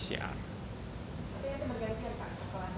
tapi ada pergantian pak sekolahnya